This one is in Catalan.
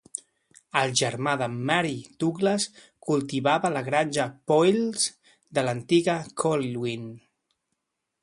El germà de Mary Douglas cultivava la granja Peulws de l'antiga Colwyn.